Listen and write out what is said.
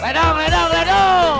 bedung bedung bedung